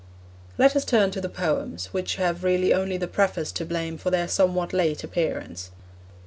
Let us turn to the poems, which have really only the preface to blame for their somewhat late appearance.